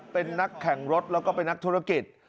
เป็นนักแข่งรถแล้วก็เป็นนักธุรกิจ